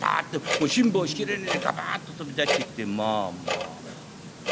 もう辛抱しきれねえでガバッと飛び出してきてまあまあまあ」。